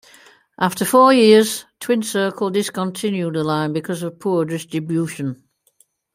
After four years, Twin Circle discontinued the line because of poor distribution.